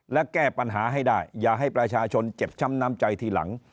และแก้ปัญหาให้ได้อย่าให้ประชาชนเจ็บช้ำน้ำใจทีหลัง